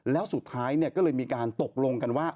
แล้วสุดท้ายก็เลยมีการตกลงกันว่า